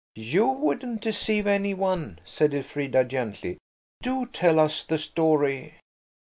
"You wouldn't deceive any one," said Elfrida gently. "Do tell us the story."